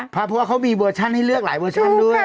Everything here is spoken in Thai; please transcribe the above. เพราะว่าเขามีเวอร์ชั่นให้เลือกหลายเวอร์ชันด้วย